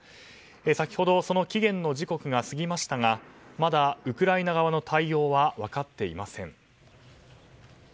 先ほどその期限の時刻が過ぎましたがまだウクライナ側の対応は分かっていません。